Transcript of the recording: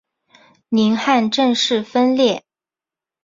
宁汉正式分裂。